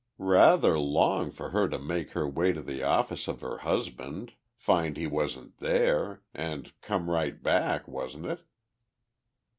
"Rather long for her to make her way to the office of her husband, find he wasn't there, and come right back, wasn't it?"